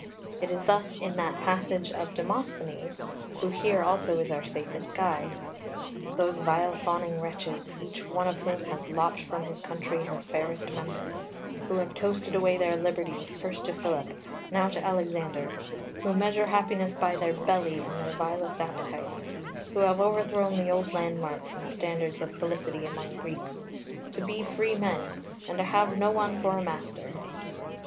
It is thus in that passage of Demosthenes (who here also is our safest guide): [Footnote 1: See Note.] 2 "Those vile fawning wretches, each one of whom has lopped from his country her fairest members, who have toasted away their liberty, first to Philip, now to Alexander, who measure happiness by their belly and their vilest appetites, who have overthrown the old landmarks and standards of felicity among Greeks, to be freemen, and to have no one for a master."